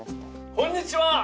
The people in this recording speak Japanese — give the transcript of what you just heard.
こんにちは。